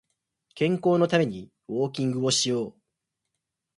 健康のためにウォーキングをしよう